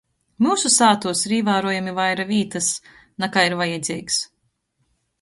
Myusu sātuos ir īvārojami vaira vītys, nakai ir vajadzeigs.